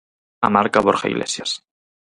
A marca Borja Iglesias.